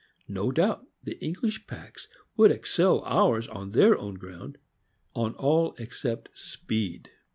No doubt the English packs would excel ours on their own ground, on all except speed.